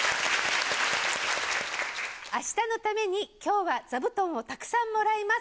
あしたのためにきょうは座布団をたくさんもらいます。